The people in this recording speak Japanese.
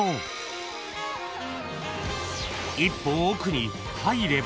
［一歩奥に入れば］